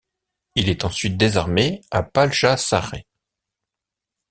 Il est ensuite désarmé à Paljassaare.